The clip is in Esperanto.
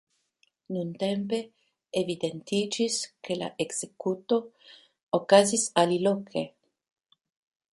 Nuntempe evidentiĝis, ke la ekzekuto okazis aliloke.